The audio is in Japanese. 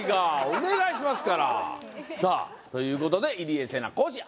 お願いしますからさあということで入江聖奈講師